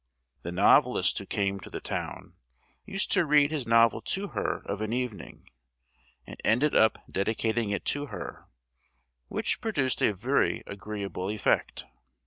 The novelist who came to the town used to read his novel to her of an evening, and ended by dedicating it to her; which produced a very agreeable effect.